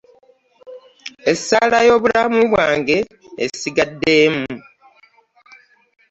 Essala y'obulamu bwange esigadde emu.